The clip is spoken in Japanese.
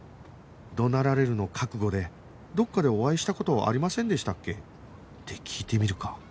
怒鳴られるの覚悟で「どこかでお会いした事ありませんでしたっけ？」って聞いてみるか